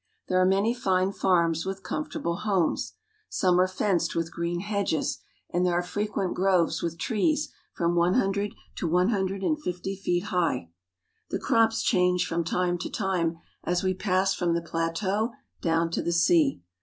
There are many fine farms with comfortable homes. Some are fenced with green hedges, and there are frequent groves with trees from one hundred to one hundred and fifty feet high. I "... greal beds of pineapples. The crops change from time to time as we pass from the plateau down to the sea.